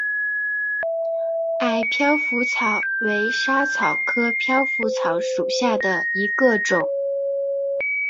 矮飘拂草为莎草科飘拂草属下的一个种。